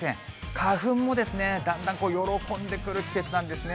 花粉もだんだん喜んでくる季節なんですね。